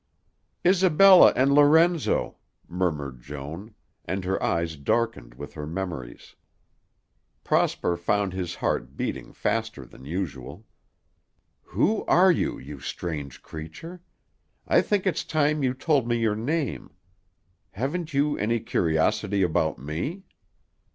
"Isabella and Lorenzo," murmured Joan, and her eyes darkened with her memories. Prosper found his heart beating faster than usual. "Who are you, you strange creature? I think it's time you told me your name. Haven't you any curiosity about me?"